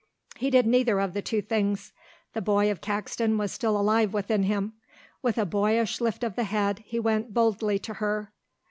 He did neither of the two things. The boy of Caxton was still alive within him. With a boyish lift of the head he went boldly to her.